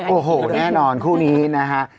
โอ้โหแน่นอนคู่นี้นะฮะ